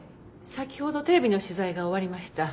先ほどテレビの取材が終わりました。